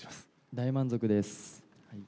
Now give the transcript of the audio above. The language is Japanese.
大満足です。